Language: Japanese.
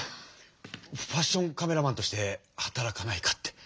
ファッションカメラマンとして働かないかって。